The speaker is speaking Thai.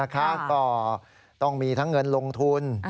ก็ต้องมีทั้งเงินลงทุน